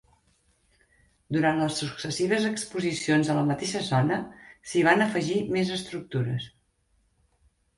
Durant les successives exposicions a la mateixa zona, s'hi van afegir més estructures.